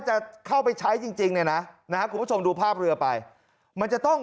จะเข้าไปใช้จริงนะนะคุณผู้ผู้ชมดูภาพเรือไปมันจะต้อง